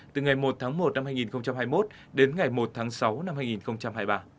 từ ngày một tháng một năm hai nghìn hai mươi một đến ngày một tháng sáu năm hai nghìn hai mươi ba